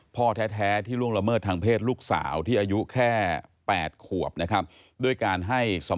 พ่อแท้ที่ล่วงละเมิดทางเพศลูกสาวที่อายุแค่๘ขวบนะครับ